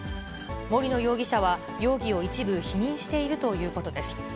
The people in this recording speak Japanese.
森野容疑者は容疑を一部否認しているということです。